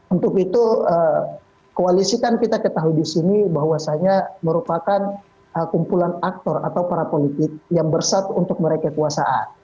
untuk itu koalisi kan kita ketahui disini bahwasanya merupakan kumpulan aktor atau para politik yang bersatu untuk mereka kuasaan